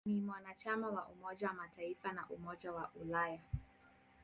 Ni mwanachama wa Umoja wa Mataifa na wa Umoja wa Ulaya.